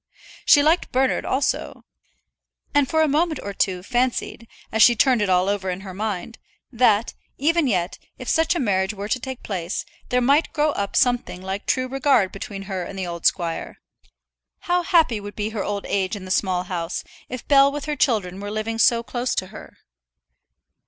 She liked Bernard also; and for a moment or two fancied, as she turned it all over in her mind, that, even yet, if such a marriage were to take place, there might grow up something like true regard between her and the old squire. How happy would be her old age in that Small House, if Bell with her children were living so close to her!